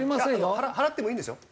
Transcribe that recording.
払ってもいいんですよ。